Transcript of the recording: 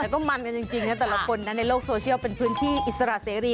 แต่ก็มันกันจริงนะแต่ละคนนะในโลกโซเชียลเป็นพื้นที่อิสระเสรี